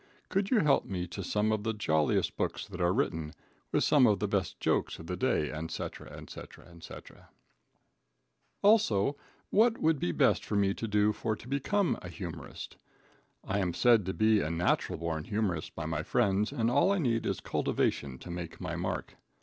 Could you help me to some of the Joliest Books that are written? With some of the best Jokes of the Day &c &c &c. Also what it would be best for me to do for to become an Humorist. I am said to be a Natural Born Humorist by my friends and all I need is Cultivation to make my mark.